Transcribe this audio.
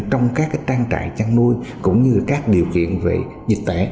trong các trang trại chăn nuôi cũng như các điều kiện về dịch tễ